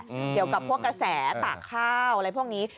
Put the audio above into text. เกี่ยวกับพวกกระแสตากข้าวอะไรพวกนี้